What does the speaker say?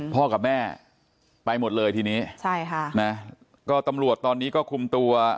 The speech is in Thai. กับแม่ไปหมดเลยทีนี้ใช่ค่ะนะก็ตำรวจตอนนี้ก็คุมตัว